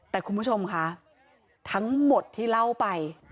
แต่คุณผู้ชมค่ะทั้งหมดที่เล่าไป